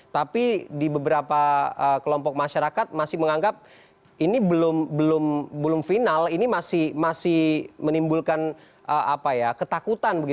tapi di beberapa kelompok masyarakat masih menganggap ini belum final ini masih menimbulkan ketakutan